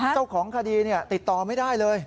เจ้าของคดีติดต่อไม่ได้เลย